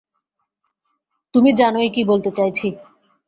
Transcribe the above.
তুমি জানোই কী বলতে চাইছি।